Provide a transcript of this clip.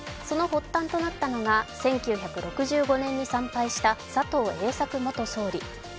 その発端となったのが１９６５年に参拝した佐藤栄作元総理。